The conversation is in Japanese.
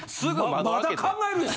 まだ考えるんや。